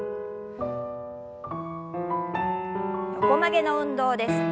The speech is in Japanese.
横曲げの運動です。